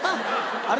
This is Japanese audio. あれ？